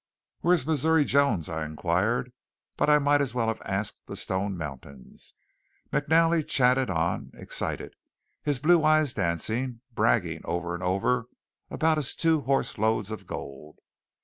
"Where's Missouri Jones?" I inquired; but I might as well have asked the stone mountains. McNally chattered on, excited, his blue eyes dancing, bragging over and over about his two horse loads of gold.